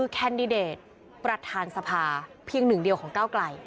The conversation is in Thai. แคนดิเดตประธานสภาเพียงหนึ่งเดียวของก้าวไกล